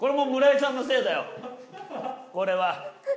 これは。